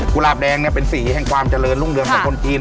ุหลาบแดงเป็นสีแห่งความเจริญรุ่งเรืองของคนจีน